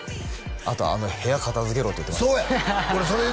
あと部屋片付けろって言ってましたそうや！